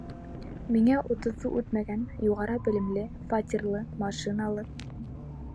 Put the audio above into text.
Миңә утыҙҙы үтмәгән, юғары белемле, фатирлы, машиналы...